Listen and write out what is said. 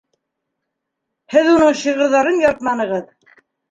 Һеҙ уның шиғырҙарын яратманығыҙ!